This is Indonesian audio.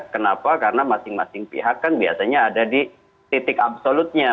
kenapa karena masing masing pihak kan biasanya ada di titik absolutnya